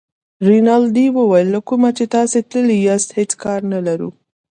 رینالډي وویل له کومه چې تاسي تللي یاست هېڅ کار نه لرو.